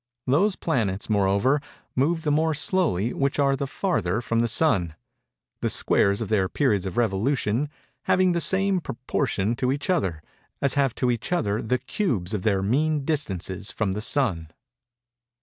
Those planets, moreover, move the more slowly which are the farther from the Sun; _the squares of their periods of revolution having the same proportion to each other, as have to each other the cubes of their mean distances from the Sun_.